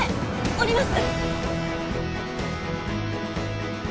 降ります！